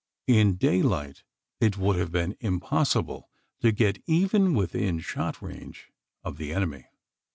In daylight it would have been impossible to get even within shot range of the enemy.